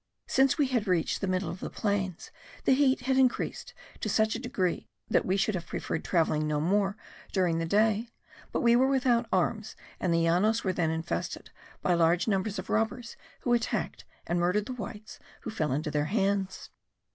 Since we had reached the middle of the plains, the heat had increased to such a degree that we should have preferred travelling no more during the day; but we were without arms and the Llanos were then infested by large numbers of robbers who attacked and murdered the whites who fell into their hands.